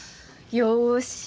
よし！